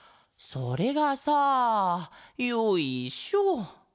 それがさよいしょ。